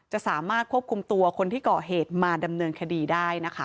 จะสามารถควบคุมตัวคนที่เกาะเหตุมาดำเนินคดีได้นะคะ